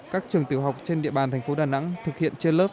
các trường tiểu học trên địa bàn thành phố đà nẵng thực hiện trên lớp